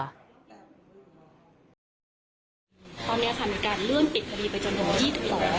ตอนนี้ค่ะมีการเลื่อนปิดคดีไปจน๒๒ค่ะ